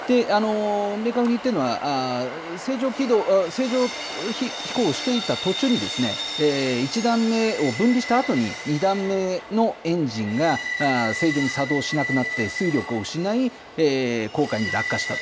明確に言っているのは、正常飛行していた途中に、１段目を分離したあとに、２段目のエンジンが正常に作動しなくなって、推力を失い、黄海に落下したと。